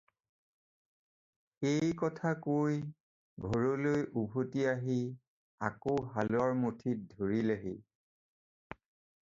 এই কথা কৈ ঘৰলৈ উলটি আহি আকৌ হালৰ মুঠিত ধৰিলেহি।